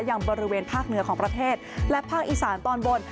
ยังบริเวณภาคเหนือของประเทศและภาคอีสานตอนบน